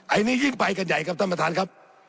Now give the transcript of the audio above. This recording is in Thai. อันนี้ยิ่งไปกันใหญ่ครับท่านประธานครับ